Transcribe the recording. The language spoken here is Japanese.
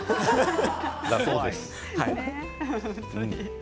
だそうです。